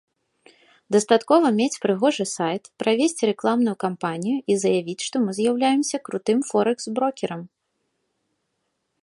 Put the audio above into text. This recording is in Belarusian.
Дастаткова мець прыгожы сайт, правесці рэкламную кампанію і заявіць, што мы з'яўляемся крутым форэкс-брокерам.